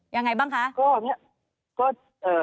ยังไงบ้างคะ